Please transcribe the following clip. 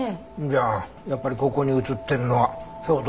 じゃあやっぱりここに映ってるのは兵働本人。